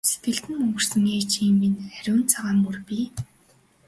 Сэтгэлд мөнхөрсөн ээжийн минь ариун цагаан мөр бий!